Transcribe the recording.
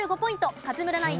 勝村ナイン